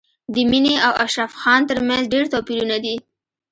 د مينې او اشرف خان تر منځ ډېر توپیرونه دي